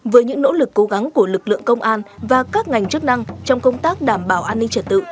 với những nỗ lực cố gắng của lực lượng công an và các ngành chức năng trong công tác đảm bảo an ninh trật tự